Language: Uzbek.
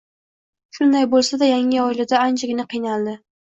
Shunday boʻlsa-da, yangi oilada anchagina qiynaldi